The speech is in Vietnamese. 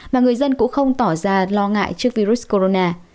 mà người dân cũng không tỏ ra lo ngại trước virus corona